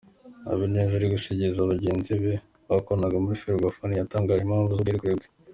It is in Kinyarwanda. Habineza uri gusezera bagenzi be bakoranaga muri Ferwafa ntiyatangaje impamvu z’ubwegure bwe.